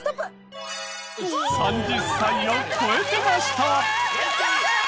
３０歳を超えてました。